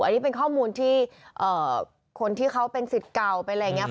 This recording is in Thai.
อันนี้เป็นข้อมูลที่คนที่เขาเป็นสิทธิ์เก่าเป็นอะไรอย่างนี้